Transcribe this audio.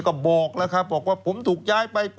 ก็บอกว่าผมถูกย้ายไป